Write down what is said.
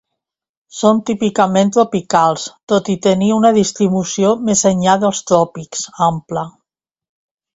Són típicament tropicals tot i tenir una distribució més enllà dels tròpics, ampla.